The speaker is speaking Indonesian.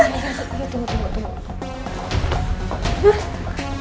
tunggu tunggu tunggu